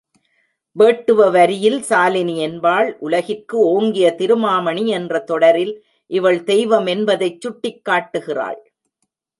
வேட்டுவ வரியில் சாலினி என்பாள் உலகிற்கு ஓங்கிய திருமாமணி என்ற தொடரில் இவள் தெய்வம் என்பதைச் சுட்டிக் காட்டுகிறாள்.